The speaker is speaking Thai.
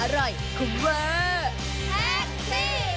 อร่อยคุณเวอร์